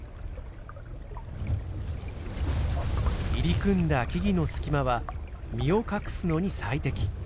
入り組んだ木々の隙間は身を隠すのに最適。